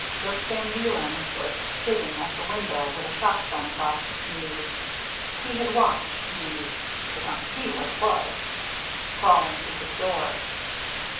Dirck van Deelen was sitting at the window with a shot gun across his knees. He had watched the — he could not see what it was — crawling to his door.